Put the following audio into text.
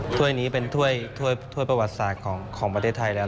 ถ้วยนี้เป็นถ้วยประวัติศาสตร์ของประเทศไทยแล้ว